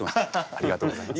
ありがとうございます。